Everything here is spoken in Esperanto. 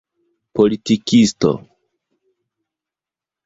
politikisto